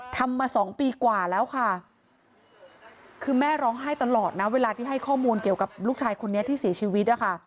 ทำมาสองปีกว่าแล้วค่ะคือแม่ร้องไห้ตลอดนะเวลาที่ให้ข้อมูลเกี่ยวกับลูกชายคนนี้ที่เสียชีวิตนะคะ